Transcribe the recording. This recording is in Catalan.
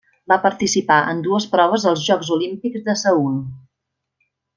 Va participar en dues proves als Jocs Olímpics de Seül.